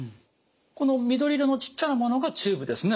この緑色のちっちゃなものがチューブですね。